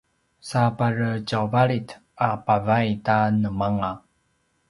sa pare tjauvalit a pavay ta nemanga